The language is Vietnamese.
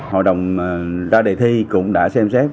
hội đồng ra đề thi cũng đã xem xét